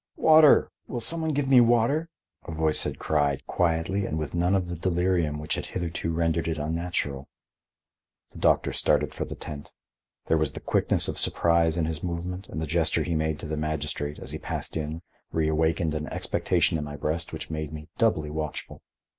"Water! will some one give me water?" a voice had cried, quietly and with none of the delirium which had hitherto rendered it unnatural. The doctor started for the tent. There was the quickness of surprise in his movement and the gesture he made to the magistrate, as he passed in, reawakened an expectation in my breast which made me doubly watchful.